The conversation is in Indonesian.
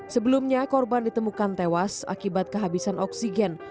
sebelumnya korban ditemukan tewas akibat kehabisan oksigen